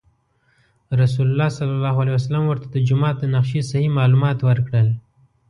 رسول الله صلی الله علیه وسلم ورته د جومات د نقشې صحیح معلومات ورکړل.